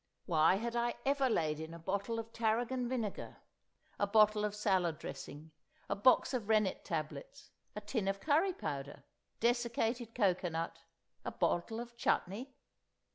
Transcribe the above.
Why had I ever laid in a bottle of tarragon vinegar, a bottle of salad dressing, a box of rennet tablets, a tin of curry powder, desiccated cocoanut, a bottle of chutney?